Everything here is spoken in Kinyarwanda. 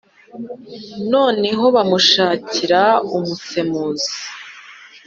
noneho bamushakira umusemuzi.